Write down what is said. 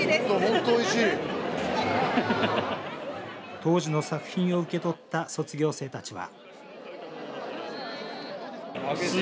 当時の作品を受け取った卒業生たちは。